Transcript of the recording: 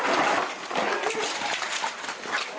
บ้าไว้หิบ